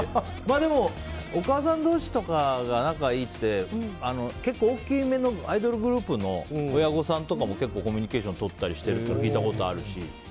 でも、お母さん同士とかが仲がいいって結構、大きめのアイドルグループの親御さんとかも結構コミュニケーションとったりしてるって聞いたことがあるし。